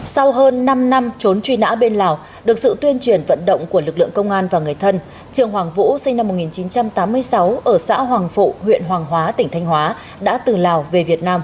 sau hơn năm năm trốn truy nã bên lào được sự tuyên truyền vận động của lực lượng công an và người thân trường hoàng vũ sinh năm một nghìn chín trăm tám mươi sáu ở xã hoàng phụ huyện hoàng hóa tỉnh thanh hóa đã từ lào về việt nam